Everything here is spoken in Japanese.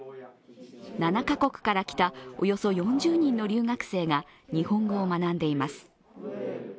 ７カ国から来たおよそ４０人の留学生が日本語を学んでいます。